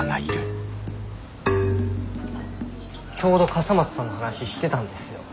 ちょうど笠松さんの話してたんですよ。